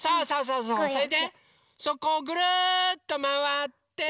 それでそこをぐるっとまわって。